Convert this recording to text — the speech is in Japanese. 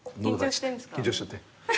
緊張しちゃって。